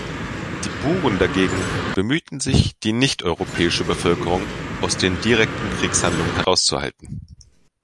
Die Buren dagegen bemühten sich, die nichteuropäische Bevölkerung aus den direkten Kriegshandlungen herauszuhalten.